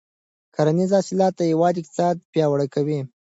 کرنیز حاصلات د هېواد اقتصاد پیاوړی کوي.